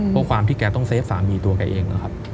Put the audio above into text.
เพราะความที่แกต้องเซฟสามีตัวแกเอง